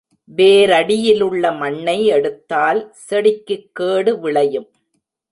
வேரடியிலுள்ள மண்ணை எடுத்தால் செடிக்குக் கேடு விளையும்.